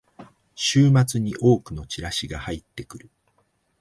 週末に多くのチラシが入ってくる